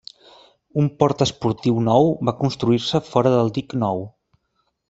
Un port esportiu nou va construir-se fora del dic nou.